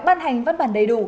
ban hành văn bản đầy đủ